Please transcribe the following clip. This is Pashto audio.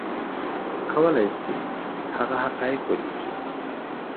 کولی شي هغه حقایق ولیکي